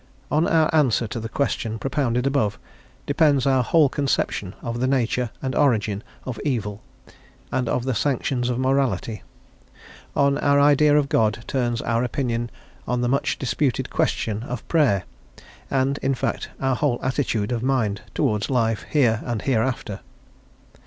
On our answer to the question propounded above depends our whole conception of the nature and origin of evil, and of the sanctions of morality; on our idea of God turns our opinion on the much disputed question of prayer, and, in fact, our whole attitude of mind towards life, here and hereafter.